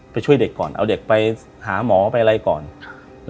ช่วยเด็กก่อนเอาเด็กไปหาหมอไปอะไรก่อนครับ